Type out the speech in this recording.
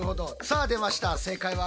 さあ出ました。